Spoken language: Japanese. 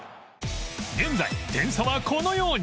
現在点差はこのように